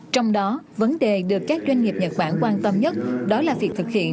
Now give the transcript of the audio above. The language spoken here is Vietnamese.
trong đó vấn đề được các doanh nghiệp nhật bản quan tâm nhất đó là việc thực hiện